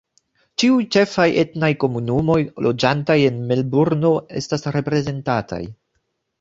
Ĉiuj ĉefaj etnaj komunumoj loĝantaj en Melburno estas reprezentataj.